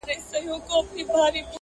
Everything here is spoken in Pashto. د ازل غشي ویشتلی پر ځیګر دی!